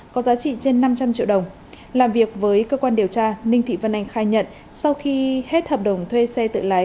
có giá trị trên năm trăm linh triệu đồng làm việc với cơ quan điều tra ninh thị văn anh khai nhận sau khi hết hợp đồng thuê xe tự lái